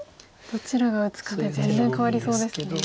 どちらが打つかで全然変わりそうですね。